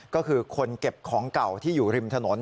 ก็คือคนเก็บของเก่าที่อยู่ริมถนน